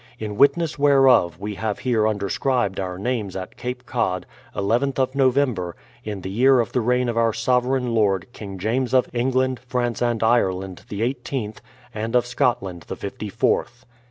In witness whereof we have here underscribed our names at Cape Cod, nth of November, in the year of the reign of our sovereign lord, King James of England, France and Ireland the eighteenth, and of Scotland the fifty fourth.